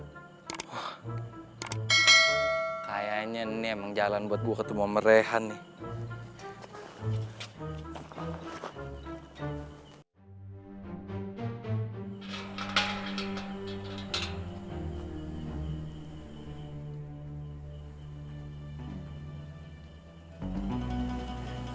kayaknya ini emang jalan buat gue ketemu merehan nih